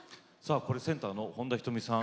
センターの本田仁美さん